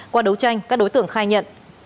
qua đấu tranh các đối tượng khai nhận